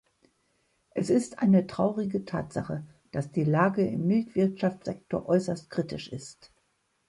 Es ist eine traurige Tatsache, dass die Lage im Milchwirtschaftssektor äußerst kritisch ist.